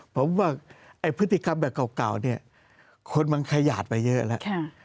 ผมว่าไอ้พฤติกรรมแบบเก่าเนี่ยคนมันขยาดไปเยอะแล้ว